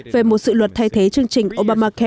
về một sự luật thay thế chương trình obamacare